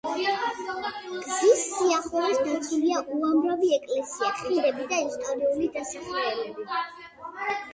გზის სიახლოვეს დაცულია უამრავი ეკლესია, ხიდები და ისტორიული დასახლებები.